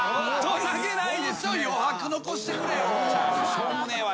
しょうもねえわ。